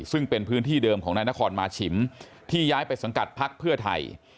ซึ่งเป็นพื้นที่เดิมของนายนครมาฉิมที่ย้ายไปสังกัดพักเพื่อไทย